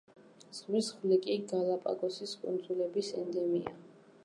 ზღვის ხვლიკი გალაპაგოსის კუნძულების ენდემია.